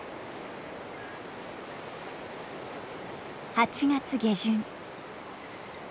８月下旬。